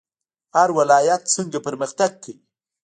هر ولایت څنګه پرمختګ کوي؟